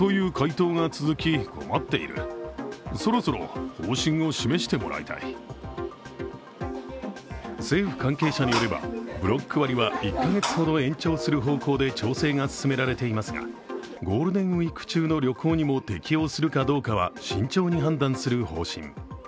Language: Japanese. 箱根などの観光地を抱える神奈川県の担当者は政府関係者によればブロック割は１カ月ほど延長する方向で調整が進められていますがゴールデンウイーク中の旅行にも適用するかどうかは慎重に判断する方針。